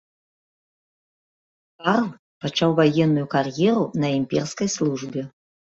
Карл пачаў ваенную кар'еру на імперскай службе.